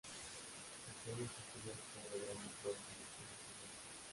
El suelo está cubierto de grandes bosques de pinos o mixtos.